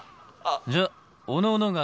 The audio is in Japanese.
じゃあおのおの方